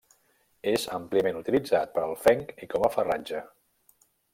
És àmpliament utilitzat per al fenc i com a farratge.